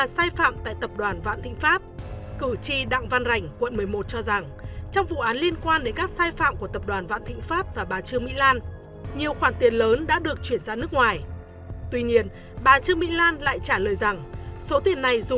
xin chào và hẹn gặp lại